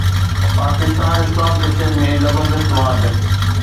Pakistan stock exchange ۾ زبردست واڌ